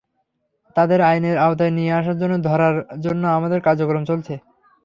তাদের আইনের আওতায় নিয়ে আসার জন্য, ধরার জন্য আমাদের কার্যক্রম চলছে।